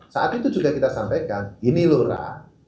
saat itu juga kita sampaikan ini lurah